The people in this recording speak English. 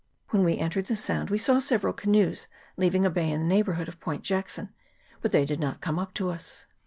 When we entered the Sound we saw several canoes leaving a bay in the neighbourhood of Point Jack son, but they did not come up to us.